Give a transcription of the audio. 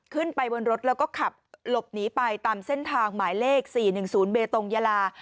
ขึ้นไปบนรถแล้วก็ขับหลบหนีไปตามเส้นทางหมายเลข๔๑๐เบตงยาลา